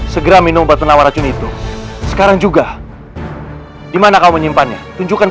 segera minum batu nawa racun itu sekarang juga dimana kamu menyimpannya tunjukkan